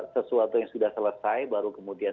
sesuatu yang sudah selesai baru kemudian